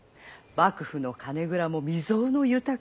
幕府の金蔵も未曽有の豊かさ。